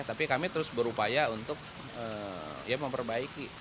tapi kami terus berupaya untuk memperbaiki